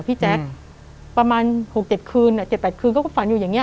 พี่แจ๊คอืมประมาณหกเจ็ดคืนอะเจ็ดแปดคืนเขาก็ฝันอยู่อย่างเงี้ย